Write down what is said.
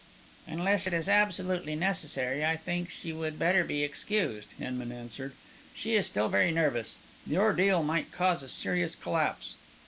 "Unless it is absolutely necessary, I think she would better be excused," Hinman answered. "She is still very nervous. The ordeal might cause a serious collapse."